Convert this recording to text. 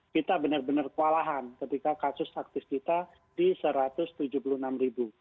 kita benar benar kewalahan ketika kasus aktif kita di satu ratus tujuh puluh enam ribu